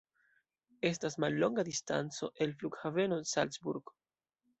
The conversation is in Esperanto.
Estas mallonga distanco el Flughaveno Salzburg.